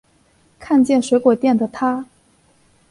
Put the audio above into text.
看见了水果店的她